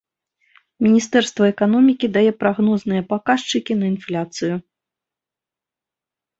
Міністэрства эканомікі дае прагнозныя паказчыкі на інфляцыю.